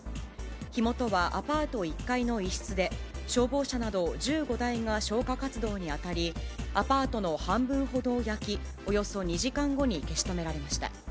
火元はアパート１階の一室で、消防車など１５台が消火活動にあたり、アパートの半分ほどを焼き、およそ２時間後に消し止められました。